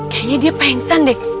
kayaknya dia pengsan deh